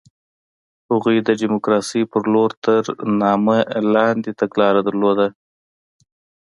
هغوی د ډیموکراسۍ په لور تر نامه لاندې تګلاره درلوده.